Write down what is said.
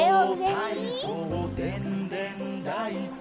「かいそうたいそうでんでんだいこ」